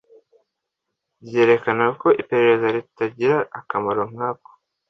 ryerekanako iperereza ritagira akamaro nk ako